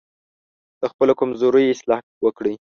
د خپلو کمزورۍ اصلاح وکړئ.